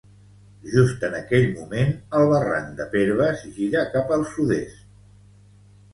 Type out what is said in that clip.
Just en aquell moment, el barranc de Perves gira cap al sud-est.